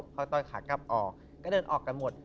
พอตอนขากลับออกก็เดินออกกันหมด